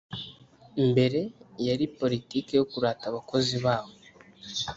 mbere yari poritiki yo kurata abakozi babo